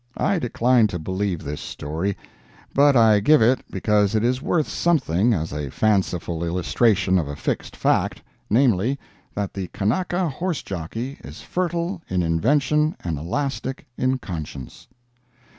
I decline to believe this story, but I give it because it is worth something as a fanciful illustration of a fixed fact—namely, that the Kanaka horse jockey is fertile in invention and elastic in conscience.